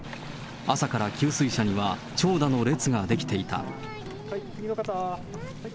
朝から給水車には長蛇の列が出来ていた。